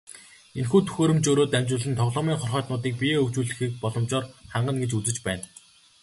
Энэхүү төхөөрөмжөөрөө дамжуулан тоглоомын хорхойтнуудыг биеэ хөгжүүлэх боломжоор хангана гэж үзэж байна.